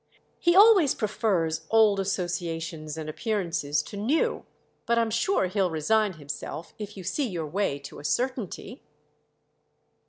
"He always prefers old associations and appearances to new; but I'm sure he'll resign himself if you see your way to a certainty."